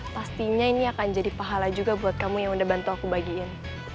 pastinya ini akan jadi pahala juga buat kamu yang udah bantu aku bagiin